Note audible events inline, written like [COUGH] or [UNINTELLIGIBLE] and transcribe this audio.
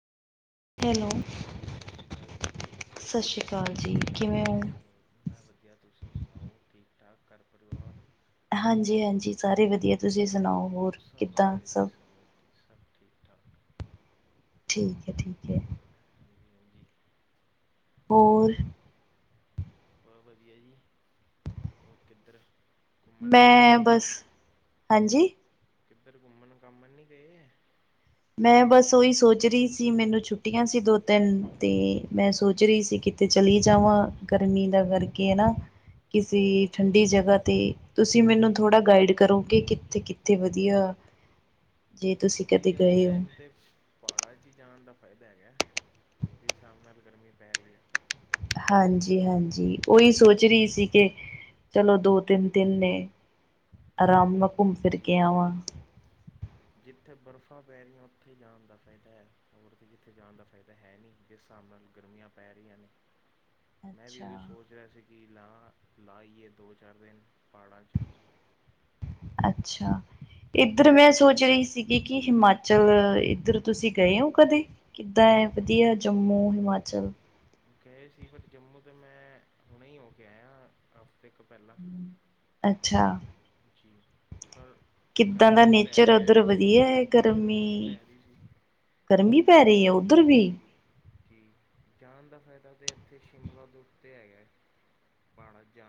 Hello ਹਾਂਜੀ, ਸਤਿ ਸ਼੍ਰੀ ਅਕਾਲ ਜੀ। ਸਤਿ ਸ਼੍ਰੀ ਅਕਾਲ ਜੀ ਕਿਵੇਂ ਔਂ? ਮੈਂ ਵਧੀਆ ਤੁਸੀਂ ਸੁਣਾਓ ਠੀਕ-ਠਾਕ ਘਰ ਪਰਿਵਾਰ। ਹਾਂਜੀ ਹਾਂਜੀ, ਸਾਰੇ ਵਧੀਆ ਤੁਸੀਂ ਸੁਣਾਓ ਹੋਰ। ਸਭ ਵਧੀਆ ਜੀ, ਸਭ ਵਧੀਆ, ਸਭ ਠੀਕ-ਠਾਕ। ਠੀਕ ਐ, ਠੀਕ ਐ। ਹ ਹਜੀ [UNINTELLIGIBLE] ਹੋਰ ਬਹੁਤ ਵਧੀਆ ਜੀ। ਹੋਰ ਕਿੱਧਰ? ਘੁੰਮਣ- ਘਾਮਣ ਮੈਂ ਨੀ ਬਸ ਗਏ, ਹਾਂਜੀ ਕਿੱਧਰ -ਘੁੰਮਣ ਘਾਮਣ ਨੀ ਗਏ। ਮੈਂ ਬਸ ਉਹੀ ਸੋਚ ਰਹੀ ਸੀ ਮੈਨੂੰ ਛੁੱਟੀਆਂ ਸੀ ਦੋ -ਤਿੰਨ, ਤੇ ਮੈਂ ਸੋਚ ਰਹੀ ਸੀ ਕਿ ਕਿਤੇ ਚਲੀ ਜਾਵਾਂ, ਗਰਮੀ ਦਾ ਕਰਕੇ ਹੈਨਾ। ਕਿਸੇ ਉਹ ਠੰਡੀ ਜਗ੍ਹਾ ਤੇ। ਤੁਸੀਂ ਮੈਨੂੰ ਥੋੜਾ ਗਾਈਡ ਕਰੋ ਕਿ ਕਿੱਥੇ- ਕਿੱਥੇ ਵਧੀਆ, ਜੇ ਤੁਸੀਂ ਕਦੇ ਜੀ ਇਸ ਗਏ ਹੋ ਟਾਈਮ ਤੇ, ਪਹਾੜਾਂ ਚ' ਹੀ ਜਾਣ ਦਾ ਫਾਇਦਾ ਹੈਗਾ। ਜਿਸ ਹਿਸਾਬ ਨਾਲ ਗਰਮੀ ਪੈ ਰਹੀ ਹੈ। ਹਾਂਜੀ- ਹਾਂਜੀ। ਉਹੀ ਸੋਚ ਰਹੀ ਸੀ ਕਿ ਚਲੋ ਦੋ- ਤਿੰਨ ਦਿਨ ਨੇ ਆਰਾਮ ਨਾਲ ਘੁੰਮ ਫਿਰ ਜੀ ਕੇ ਆਵਾਂ। ਜਿੱਥੇ ਬਰਫ਼ਾਂ ਪੈ ਰਹੀਆਂ ਉੱਥੇ ਜਾਣ ਦਾ ਫਾਇਦਾ ਹੈ ਔਰ ਤੇ ਕਿੱਥੇ ਜਾਣ ਦਾ ਫਾਇਦਾ ਹੈ ਨਹੀਂ। ਜਿਸ ਹਿਸਾਬ ਨਾਲ ਗਰਮੀਆਂ ਪੈ ਰਹੀਆਂ ਨੇ। [INAUDIBLE] ਮੈਂ ਵੀ ਉਹੀ ਸੋਚ ਰਿਹਾ ਸੀ ਕਿ ਲਾ- ਲਾਆਇਯੇ ਦੋ -ਚਾਰ ਦਿਨ ਪਹਾੜਾਂ 'ਚ। ਅੱਛਾ। ਇੱਧਰ ਮੈਂ ਜੀ ਸੋਚ ਰਹੀ ਸੀ। ਕੀ -ਕੀ ਹਿਮਾਚਲ, ਇੱਧਰ ਤੁਸੀਂ ਗਏ ਹੋ ਕਦੇ? ਕਿੱਦਾਂ ਹੈ ਗ- ਵਧੀਆ ਜੰਮੂ, ਹਿਮਾਚਲ ਗਏ ਸੀ ਪਰ ਜੰਮੂ ਤਾਂ ਮੈਂ, ਹੁਣੇ ਹੀ ਹੋ ਕੇ ਆਇਆ ਹਫ਼ਤੇ ਕੁ ਪਹਿਲਾਂ। ਅੱਛਾ। ਜੀ [UNINTELLIGIBLE] ਪਰ, ਕਿੱਦਾਂ ਦਾ ਗਰਮੀ ਹੀ ਪੈ ਨੇਚਰ ਰਹੀ ਉੱਧਰ ਸੀ, ਵਧੀਆ ਹੈ ਗਰਮੀ ਹੀ ਪੈ ਰਹੀ ਸੀ। ਗਰਮੀ ਪਰ ਪੈ ਰਹੀ ਹੈ ਉੱਧਰ ਵੀ? ਜੀ ਜੀ ਜਾਣ ਦਾ ਫਾਇਦਾ ਤਾਂ ਇੱਥੇ ਸ਼ਿਮਲਾ ਤੋਂ ਉੱਤੇ ਹੈਗਾ। ਪਾਡਾ ਚ' ਜਾ